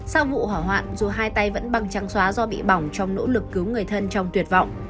sau vụ hỏa hoạn dù hai tay vẫn băng trắng xóa do bị bỏng trong nỗ lực cứu người thân trong tuyệt vọng